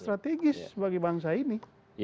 strategis bagi bangsa ini